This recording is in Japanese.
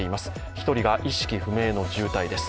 １人が意識不明の重体です。